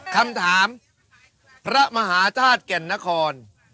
คำถามพระมหาธาตุแก่นนคร